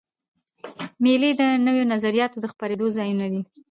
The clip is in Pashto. مېلې د نوو نظریاتو د خپرېدو ځایونه دي.